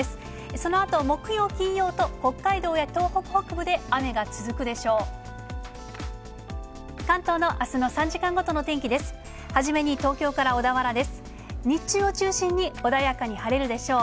そのあと木曜、金曜と北海道や東北北部で雨が続くでしょう。